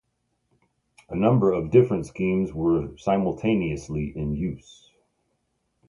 A number of different schemes were simultaneously in use.